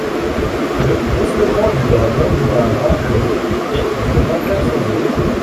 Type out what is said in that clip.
Le gonflement du ballon démarra le et dura quatre jours.